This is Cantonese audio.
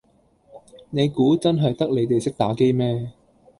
你估真係得你地識打機咩